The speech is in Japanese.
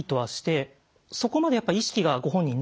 そこまでやっぱ意識がご本人なくてですね